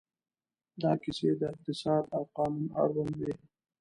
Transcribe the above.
دا کیسې د اقتصاد او قانون اړوند وې.